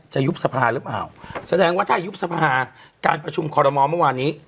ยุบสภาหรือเปล่าแสดงว่าถ้ายุบสภาการประชุมคอรมอลเมื่อวานนี้